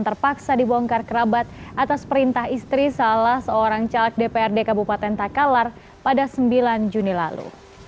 terpaksa dibongkar kerabat atas perintah istri salah seorang caleg dprd kabupaten takalar pada sembilan juni lalu